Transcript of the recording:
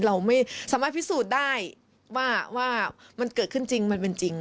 เราไม่สามารถพิสูจน์ได้ว่ามันเกิดขึ้นจริงมันเป็นจริง